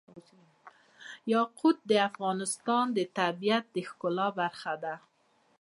یاقوت د افغانستان د طبیعت د ښکلا برخه ده.